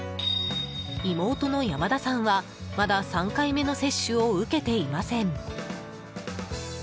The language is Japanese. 妹の山田さんは、まだ３回目の接種を受けていません。